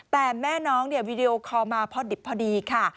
แต่แม่น้องวีดีโอคอลมาพอดิบพอดีค่ะ